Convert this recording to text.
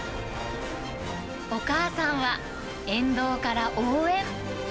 お母さんは、沿道から応援。